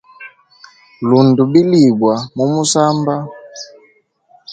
Lunda bilibwa mu musamba.